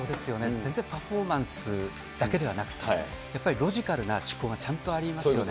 全然パフォーマンスだけではなくて、やっぱりロジカルな思考がちゃんとありますよね。